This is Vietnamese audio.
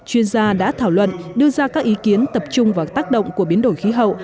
chuyên gia đã thảo luận đưa ra các ý kiến tập trung vào tác động của biến đổi khí hậu